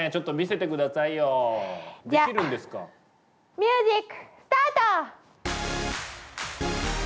ミュージックスタート！